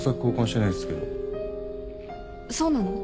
そうなの？